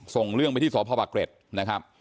ส่งเรื่องไปที่สพปะเกร็ดนะครับ